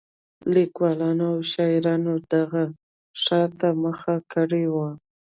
لیکوالانو او شاعرانو دغه ښار ته مخه کړې وه.